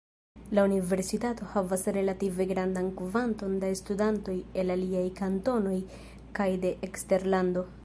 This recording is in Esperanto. La universitato havas relative grandan kvanton da studantoj el aliaj kantonoj kaj de eksterlando.